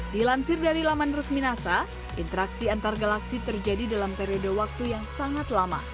dilansir dari laman resmi nasa interaksi antar galaksi terjadi dalam periode waktu yang sangat lama